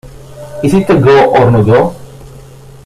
Is it a go or no-go?